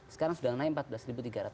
sekarang sudah naik empat belas dua ratus